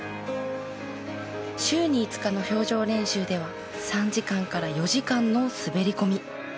週に５日の氷上練習では３時間から４時間の滑り込み。